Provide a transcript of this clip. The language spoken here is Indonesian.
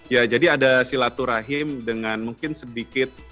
ya jadi ada sholat turahim dengan mungkin sedikit